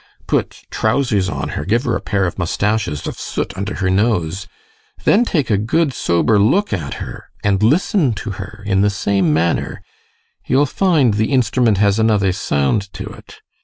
Put trousers on her, give her a pair of moustaches of soot under her nose, then take a good, sober look at her, and listen to her in the same manner: you'll find the instrument has another sound to it.